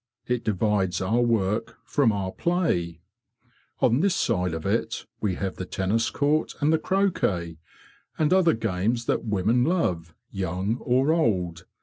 It divides our work from our play. On this side of it we have the tennis court and the croquet, and other games that women love, young or old.